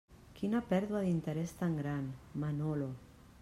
Quina pèrdua d'interès tan gran, Manolo!